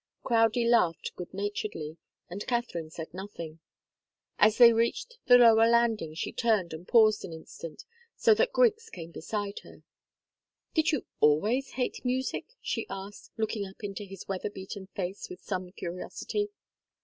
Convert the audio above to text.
Crowdie laughed good naturedly, and Katharine said nothing. As they reached the lower landing she turned and paused an instant, so that Griggs came beside her. "Did you always hate music?" she asked, looking up into his weather beaten face with some curiosity.